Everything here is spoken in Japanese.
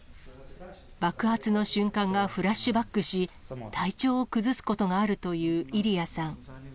爆発の瞬間がフラッシュバックし、体調を崩すことがあるというイリヤさん。